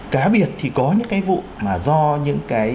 cá biệt thì có những cái vụ mà do những cái